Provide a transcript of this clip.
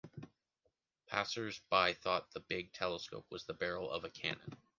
Passers-by thought the big telescope was the barrel of a cannon.